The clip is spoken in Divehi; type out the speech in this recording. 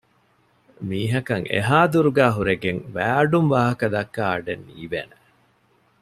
މީހަކަށް އެހާ ދުރުގައި ހުރެގެން ވައިއަޑުން ވާހަކަ ދައްކާ އަޑެއް ނީވޭނެ